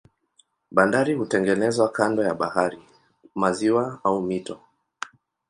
Bandari hutengenezwa kando ya bahari, maziwa au mito.